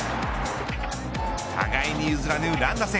互いに譲らぬ乱打戦。